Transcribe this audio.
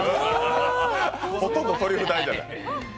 ほとんどトリュフ代じゃない。